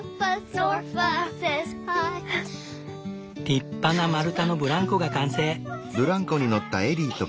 立派な丸太のブランコが完成！